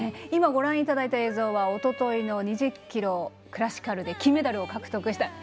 ご覧いただいた映像はおとといの２０ｋｍクラシカルで金メダルを獲得した。